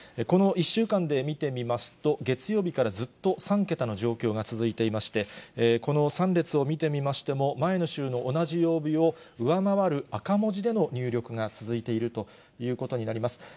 この１週間で見てみますと、月曜日からずっと３桁の状況が続いていまして、この３列を見てみましても、前の週の同じ曜日を上回る、赤文字での入力が続いているということになります。